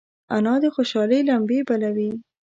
انا د خوشحالۍ لمبې بلوي